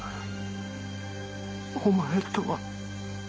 お前とは。